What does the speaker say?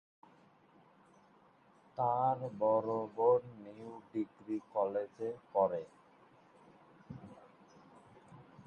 তার বড় বোন নিউ ডিগ্রি কলেজে পড়ে।